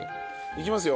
いきますよ。